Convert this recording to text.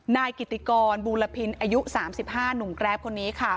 นายกิติกรบูรพินอายุ๓๕หนุ่มแกรปคนนี้ค่ะ